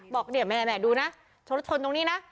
บอกเดี๋ยวแม่ดูนะโชว์ลดชนตรงนี้นะ